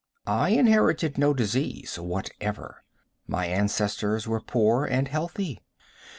I inherited no disease whatever. My ancestors were poor and healthy.